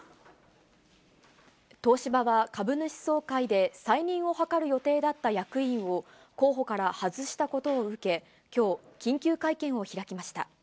東芝は、株主総会で再任を諮る予定だった役員を候補から外したことを受け、きょう緊急会見を開きました。